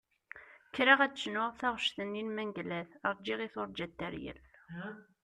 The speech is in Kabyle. Kkreɣ ad d-cnuɣ taɣect-nni n Mengellat "Rğiɣ i turğa teryel".